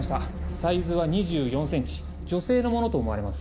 サイズは２４ｃｍ女性のものと思われます。